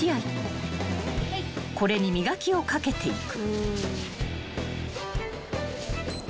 ［これに磨きをかけていく］